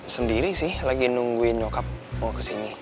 sendiri sih lagi nungguin nyokap mau kesini